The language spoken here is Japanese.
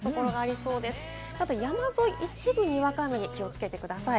ただ、山沿い、一部にわか雨に気をつけてください。